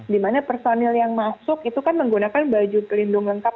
dimana personil yang masuk itu kan menggunakan baju pelindung lengkap